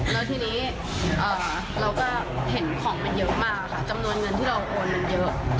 แล้วทีนี้เราก็เห็นของมันเยอะมากค่ะจำนวนเงินที่เราโอนมันเยอะ